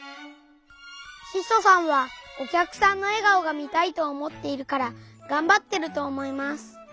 ししょさんはおきゃくさんのえがおが見たいと思っているからがんばってると思います。